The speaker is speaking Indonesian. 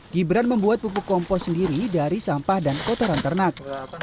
gibran membuat pupuk kompos sendiri dari sampah dan kotoran ternak